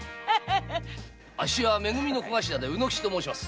あっしはめ組の小頭で卯之吉と申します。